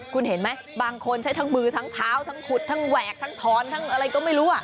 คุณเห็นไหมบางคนใช้ทั้งมือทั้งเท้าทั้งขุดทั้งแหวกทั้งถอนทั้งอะไรก็ไม่รู้